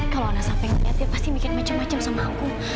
kalau anak sampai ngeliat dia pasti bikin macem macem sama aku